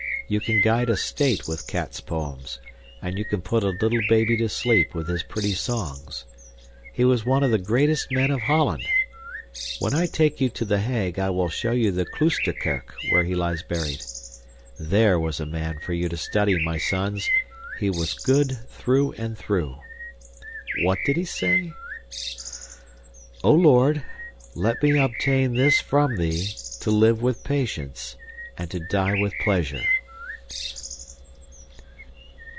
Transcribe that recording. You can guide a state with Cats's poems, and you can put a little baby to sleep with his pretty songs. He was one of the greatest men of Holland. When I take you to The Hague, I will show you the Kloosterkerk where he lies buried. THERE was a man for you to study, my sons! He was good through and through. What did he say? "O Lord, let me obtain this from Thee To live with patience, and to die with pleasure!